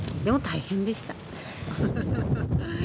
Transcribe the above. でも大変でした。